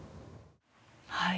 はい。